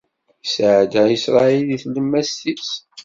Isɛedda Isṛayil di tlemmast-is.